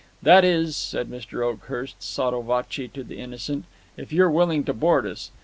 "That is," said Mr. Oakhurst, sotto voce to the Innocent, "if you're willing to board us.